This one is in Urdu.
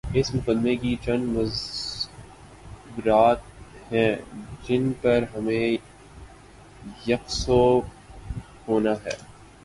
اس مقدمے کے چند مضمرات ہیں جن پر ہمیں یک سو ہونا ہے۔